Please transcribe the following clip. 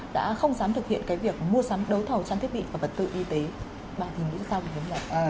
đã không dám thực hiện việc mua sắm đấu thầu trang thiết bị và vật tư y tế bà thì nghĩ sao về vấn đề